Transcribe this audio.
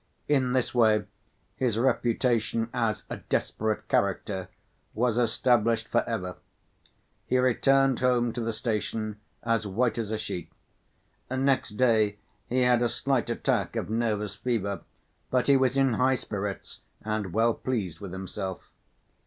In this way his reputation as "a desperate character," was established for ever. He returned home to the station as white as a sheet. Next day he had a slight attack of nervous fever, but he was in high spirits and well pleased with himself.